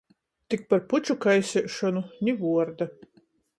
Tik par puču kaiseišonu — ni vuorda.